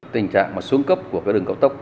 tình trạng xuống cấp của đường cao tốc